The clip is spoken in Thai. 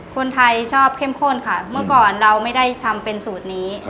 คนไทยชอบเข้มข้นค่ะเมื่อก่อนเราไม่ได้ทำเป็นสูตรนี้